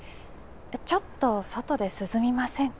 ちょっと外で涼みませんか？